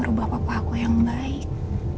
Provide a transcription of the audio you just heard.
merubah papa aku yang baik